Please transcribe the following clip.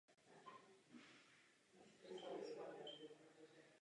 Dnes z pevnosti zbyly jen ruiny.